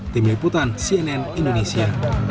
tim liputan cnn indonesia